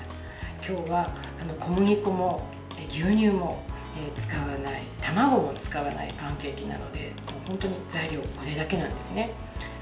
今日は小麦粉も牛乳も使わない卵も使わないパンケーキなので材料は、これだけです。